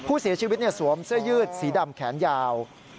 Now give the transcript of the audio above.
ผู้เสียชีวิตสวมเสื้อยืดสีดำแขนยาว